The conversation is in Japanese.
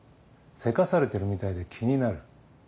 せかされてるみたいで気になる。